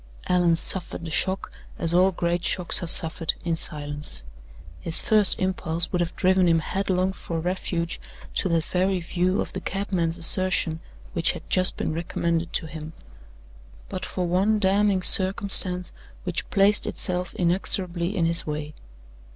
Allan suffered the shock, as all great shocks are suffered, in silence. His first impulse would have driven him headlong for refuge to that very view of the cabman's assertion which had just been recommended to him, but for one damning circumstance which placed itself inexorably in his way.